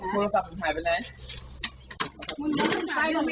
โทรศัพท์ฉันหายเป็นไง